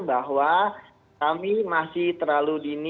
bahwa kami masih terlalu dini untuk mengikuti